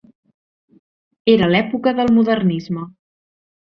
Era l’època del Modernisme.